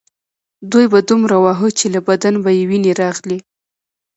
دوی به دومره واهه چې له بدن به یې وینې راغلې